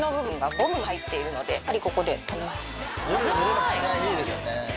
いいですよね。